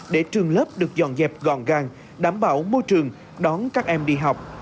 để trường lớp được dọn dẹp gọn gàng đảm bảo môi trường đón các em đi học